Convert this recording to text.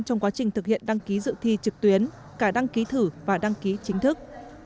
trong quá trình thực hiện đăng ký dự thi trực tuyến cả đăng ký thử và đăng ký chính thức